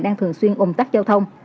đang thường xuyên ủng tắc giao thông